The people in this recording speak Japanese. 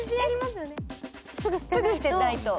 すぐ捨てないと。